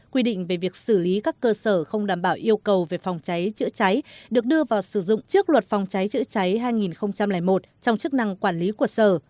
quy định về việc xử lý các cơ sở không đảm bảo yêu cầu về phòng cháy chữa cháy được đưa vào sử dụng trước luật phòng cháy chữa cháy hai nghìn một trong chức năng quản lý của sở